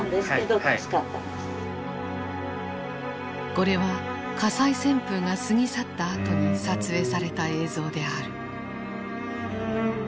これは火災旋風が過ぎ去ったあとに撮影された映像である。